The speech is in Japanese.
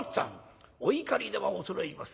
お怒りでは恐れ入ります。